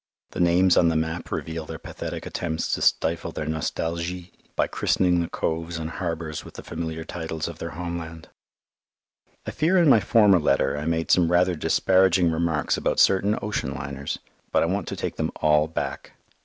The names on the map reveal their pathetic attempts to stifle their nostalgie by christening the coves and harbours with the familiar titles of their homeland. I fear in my former letter I made some rather disparaging remarks about certain ocean liners, but I want to take them all back.